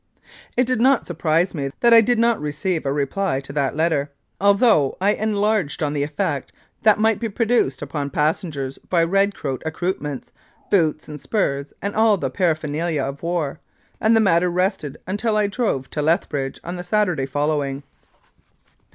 It did not surprise me that I did not receive a reply to that letter, although I enlarged on the effect that might be produced upon the passengers by red coat, accoutrements, boots and spurs and all the parapher nalia of war, and the matter rested until I next drove to Lethbridge on the Saturday following.